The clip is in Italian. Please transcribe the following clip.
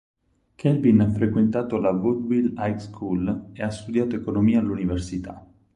Kelvin ha frequentato la Woodville High School e ha studiato economia all'università.